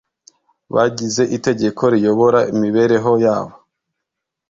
bagize itegeko riyobora imibereho yabo